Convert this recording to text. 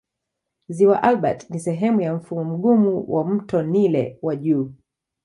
Ziwa Albert ni sehemu ya mfumo mgumu wa mto Nile wa juu.